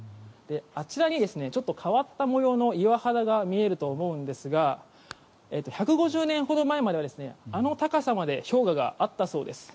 あちらに変わった模様の岩肌が見えると思うんですが１５０年ほど前まではあの高さまで氷河があったそうです。